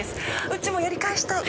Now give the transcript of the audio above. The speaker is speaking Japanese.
うちもやり返したい！